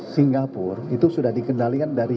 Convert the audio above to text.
singapura itu sudah dikendalikan dari